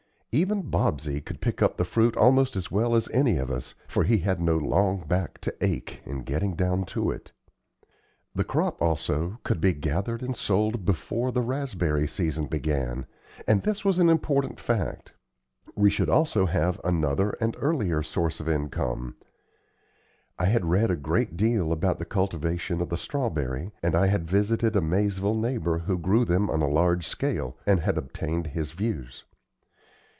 Even Bobsey could pick the fruit almost as well as any of us, for he had no long back to ache in getting down to it. The crop, also, could be gathered and sold before the raspberry season began, and this was an important fact. We should also have another and earlier source of income. I had read a great deal about the cultivation of the strawberry, and I had visited a Maizeville neighbor who grew them on a large scale, and had obtained his views.